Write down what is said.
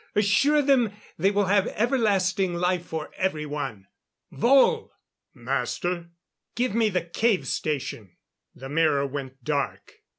Assure them they will have everlasting life for everyone.... Wohl!" "Master?" "Give me the Cave Station." The mirror went dark.